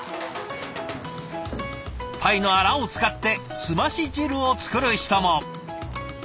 タイのあらを使って澄まし汁を作る人も。